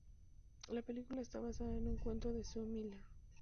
La película está basada en un cuento de Sue Miller.